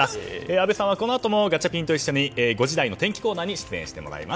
阿部さんはこのあともガチャピンと一緒に５時台の天気コーナーに出演してもらいます。